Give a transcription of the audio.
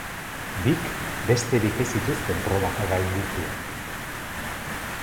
Bik besterik ez zituzten probak gainditu.